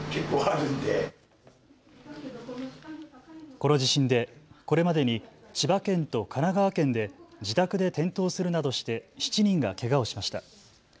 この地震でこれまでに千葉県と神奈川県で自宅で転倒するなどして７人がけがをしました。